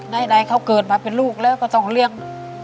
ใดเขาเกิดมาเป็นลูกแล้วก็ต้องเลี้ยง